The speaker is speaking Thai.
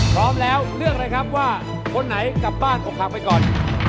พร้อมแล้วเลือกเลยครับว่าคนไหนกลับบ้านอกหักไปก่อน